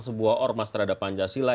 sebuah ormah terhadap pancasila